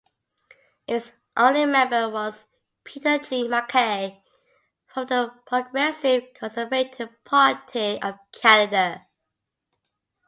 Its only member was Peter G. MacKay from the Progressive Conservative Party of Canada.